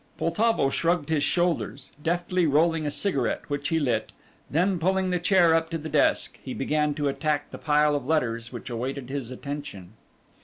Poltavo shrugged his shoulders, deftly rolling a cigarette, which he lit, then pulling the chair up to the desk he began to attack the pile of letters which awaited his attention.